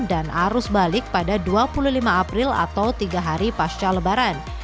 dan arus balik pada dua puluh lima april atau tiga hari pasca lebaran